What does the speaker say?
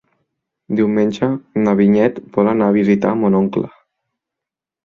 Diumenge na Vinyet vol anar a visitar mon oncle.